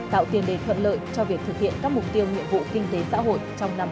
tạo tiền đề thuận lợi cho việc thực hiện các mục tiêu nhiệm vụ kinh tế xã hội trong năm hai nghìn hai mươi